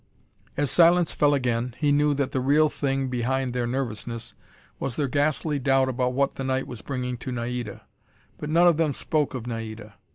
As silence fell again, he knew that the real thing behind their nervousness was their ghastly doubt about what the night was bringing to Naida. But none of them spoke of Naida.